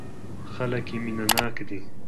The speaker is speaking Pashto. خلک يې مينه ناک دي.